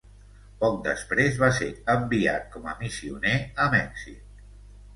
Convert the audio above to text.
Poc després, va ser enviat com a missioner a Mèxic.